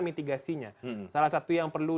mitigasinya salah satu yang perlu